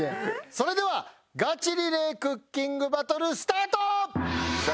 それではガチリレークッキングバトルスタート！よっしゃ！